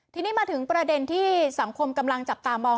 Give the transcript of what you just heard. ทีนี้มาถึงประเด็นที่สังคมกำลังจับตามอง